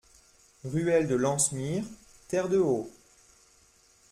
Ruelle de l'Anse Mire, Terre-de-Haut